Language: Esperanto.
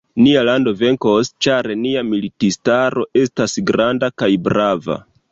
Nia lando venkos, ĉar nia militistaro estas granda kaj brava.